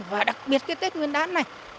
và đặc biệt cái tết nguyên đán này